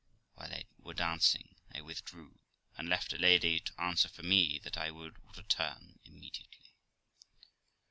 While they were dancing I withdrew, and left a lady to answer for me that I would return immediately.